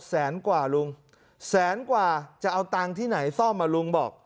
แสนกว่าลุงแสนกว่าจะเอาตังค์ที่ไหนซ่อมมาลุงบอก